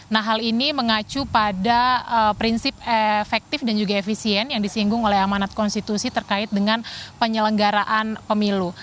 nah hal ini mengacu pada prinsip efektif dan juga efisien yang disinggung oleh amanat konstitusi terkait dengan penyelenggaraan pemilu